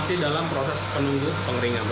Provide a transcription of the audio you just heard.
masih dalam proses penunggu pengeringan